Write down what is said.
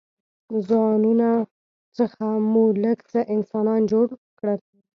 ځانونو څخه مو لږ څه انسانان جوړ کړل.